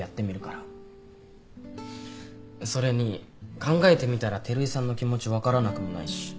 それに考えてみたら照井さんの気持ち分からなくもないし。